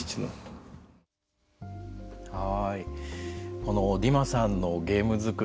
このディマさんのゲーム作り。